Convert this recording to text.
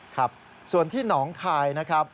ครับส่วนที่หนองคายนะครับ